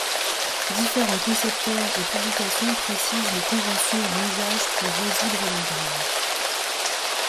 Différents concepteurs et publications précisent les conventions en usage pour résoudre leurs grilles.